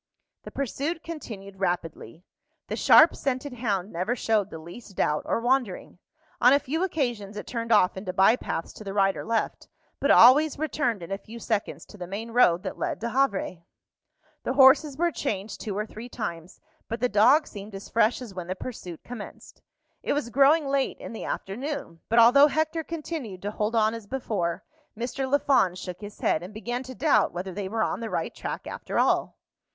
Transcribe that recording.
The pursuit continued rapidly. The sharp scented hound never showed the least doubt or wandering. On a few occasions it turned off into by paths to the right or left, but always returned in a few seconds to the main road that led to Havre. The horses were changed two or three times, but the dog seemed as fresh as when the pursuit commenced. It was growing late in the afternoon; but although Hector continued to hold on as before, Mr. Lafond shook his head, and began to doubt whether they were on the right track after all.